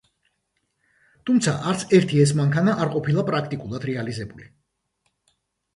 თუმცა არც ერთი ეს მანქანა არ ყოფილა პრაქტიკულად რეალიზებული.